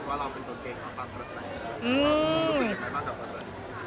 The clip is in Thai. รู้สึกอย่างไรบ้างครับฝ่าสัย